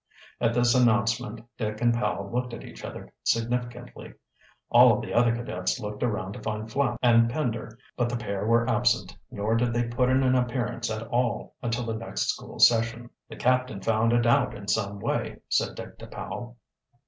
At this announcement Dick and Powell looked at each other significantly. All of the other cadets looked around to find Flapp and Pender, but the pair were absent, nor did they put in an appearance at all until the next school session. "The captain found it out in some way," said Dick to Powell.